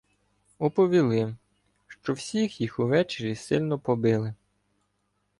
Оповіли, що всіх їх увечері сильно побили